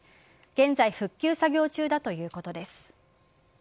現在復旧作業中だということです。